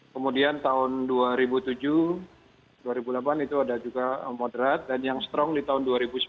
kemudian tahun dua ribu tujuh dua ribu delapan itu ada juga moderat dan yang strong di tahun dua ribu sembilan belas